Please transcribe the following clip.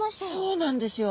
そうなんですよ。